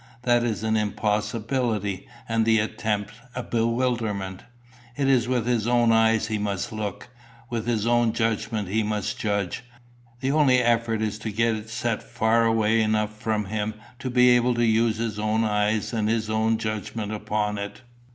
That is an impossibility, and the attempt a bewilderment. It is with his own eyes he must look, with his own judgment he must judge. The only effort is to get it set far away enough from him to be able to use his own eyes and his own judgment upon it."